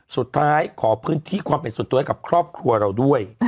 ขอพื้นที่ความเป็นส่วนตัวให้กับครอบครัวเราด้วย